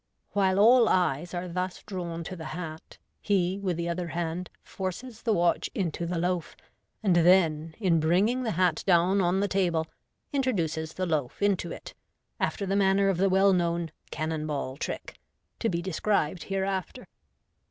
While all eyes are thus drawn to the hat, he with the other hand forces the watch into the loaf, and then, in bringing the hat down on the table, introduces the loaf into it, after the manner of the well known " cannon ball " trick, to be described hereafter.